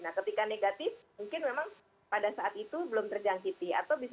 nah ketika negatif mungkin memang pada saat itu belum terjangkiti